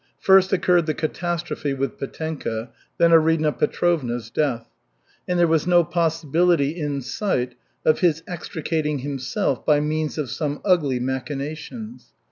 First occurred the catastrophe with Petenka, then Arina Petrovna's death. And there was no possibility in sight of his extricating himself by means of some ugly machinations.